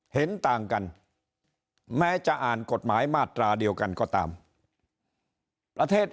เห็นต่างกันแม้จะอ่านกฎหมายมาตราเดียวกันก็ตามประเทศ